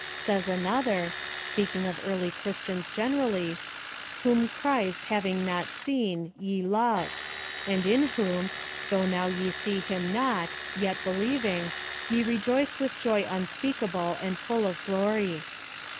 Says another — speaking of early christians oren erally— " Whom fChrist] having not seen, ye love ; and in whom, though now ye see him not, yet believing, ye re joice with joy unspeakable and full of glory."